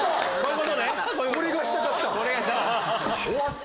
これがしたかった！